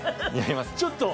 ちょっと。